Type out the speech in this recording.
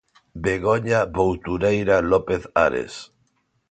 Begoña Boutureira López Ares.